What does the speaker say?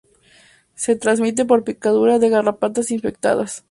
Se transmite por picadura de garrapatas infectadas.